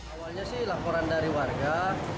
awalnya sih laporan dari warga